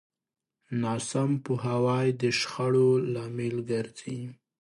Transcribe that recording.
ناسم پوهاوی د شخړو لامل ګرځي.